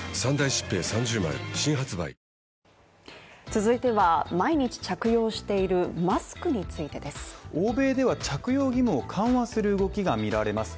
続いては、毎日着用しているマスクについてです。欧米では着用義務を緩和する動きが見られます。